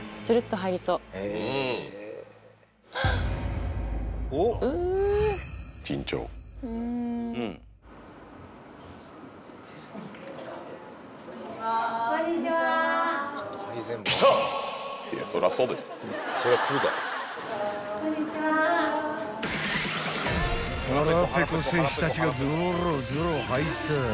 ［腹ペコ選手たちがぞろぞろはいさい］